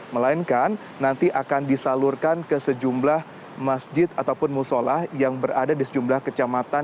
melainkan nanti akan disalurkan ke sejumlah masjid ataupun musola yang berada di sejumlah kecamatan